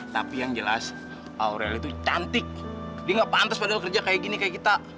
tapi yang jelas aurel itu cantik dia nggak pantas padahal kerja kayak gini kayak kita